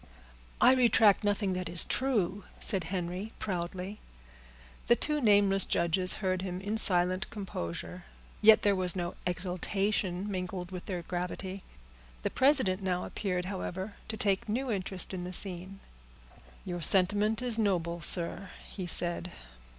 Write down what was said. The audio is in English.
"I retract nothing that is true," said Henry proudly. The two nameless judges heard him in silent composure, yet there was no exultation mingled with their gravity. The president now appeared, however, to take new interest in the scene. "Your sentiment is noble, sir," he said.